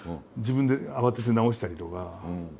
自分で慌てて直したりとか。